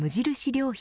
良品